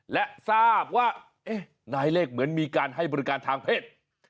และทราบว่านายเลขเหมือนมีการให้บริการทางเพศ